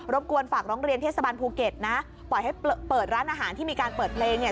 กวนฝากร้องเรียนเทศบาลภูเก็ตนะปล่อยให้เปิดร้านอาหารที่มีการเปิดเพลงเนี่ย